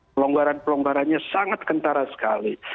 pelonggaran pelonggarannya sangat kentara sekali